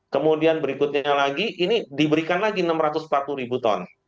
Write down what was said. kemudian berikutnya lagi ini diberikan lagi enam ratus empat puluh ribu ton